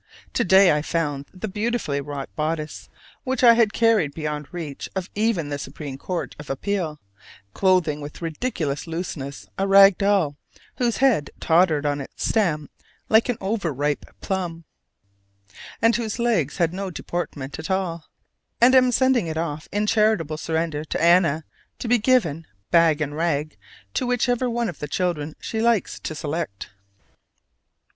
To day I found the beautifully wrought bodice, which I had carried beyond reach of even the supreme court of appeal, clothing with ridiculous looseness a rag doll whose head tottered on its stem like an over ripe plum, and whose legs had no deportment at all: and am sending it off in charitable surrender to Anna to be given, bag and rag, to whichever one of the children she likes to select.